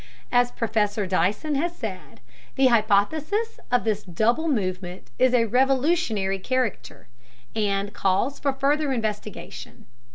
As Professor Dyson has said, the hypothesis of this double movement is of a revolutionary character, and calls for further investigation.